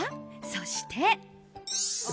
そして。